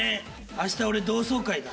明日俺同窓会だ。